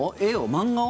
漫画を？